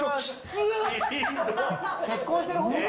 結婚してるほうが。